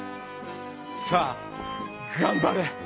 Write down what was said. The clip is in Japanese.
さあがんばれ。